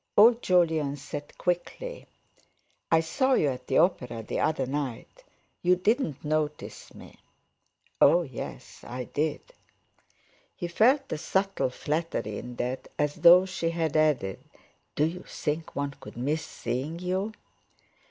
Old Jolyon said quickly: "I saw you at the opera the other night; you didn't notice me." "Oh, yes! I did." He felt a subtle flattery in that, as though she had added: "Do you think one could miss seeing you?"